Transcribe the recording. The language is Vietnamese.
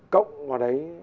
cộng vào đấy